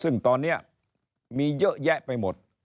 ซึ่งตอนนี้มีเยอะแยะไปหมด